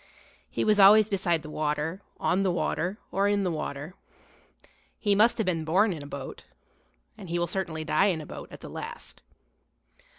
He was always beside the water, on the water, or in the water. He must have been born in a boat, and he will certainly die in a boat at the last.